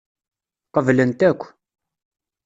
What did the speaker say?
Qeblent akk.